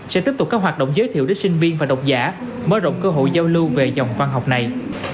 sẽ tiếp tục các hoạt động giới thiệu đến sinh viên và độc giả mở rộng cơ hội giao lưu về dòng văn học này